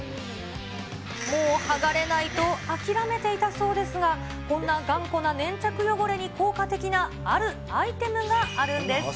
もう剥がれないと諦めていたそうですが、こんな頑固な粘着汚れに効果的なあるアイテムがあるんです。